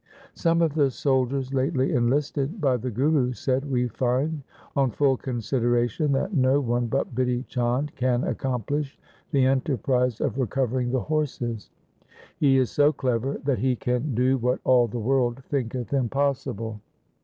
Some of the soldiers lately enlisted by the Guru said, ' We find on full consideration that no one 158 THE SIKH RELIGION but Bidhi Chand can accomplish the enterprise of recovering the horses. He is so clever that he can do what all the world thinketh impossible.